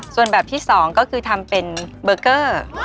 ส่วนแบบที่๒ก็คือทำเป็นเบอร์เกอร์